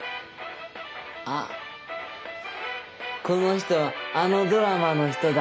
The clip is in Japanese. あっこの人あのドラマの人だ。